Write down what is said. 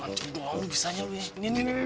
nanti doang lu bisanya lu ya